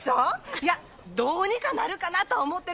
いやどうにかなるかなとは思うてるんですよ。